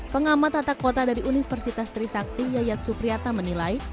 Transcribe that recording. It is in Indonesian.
pengamat tata kota dari universitas trisakti yayat supriyata menilai